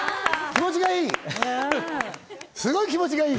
気持ちがいい！